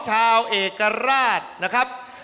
ชาวเอกราชนะครับ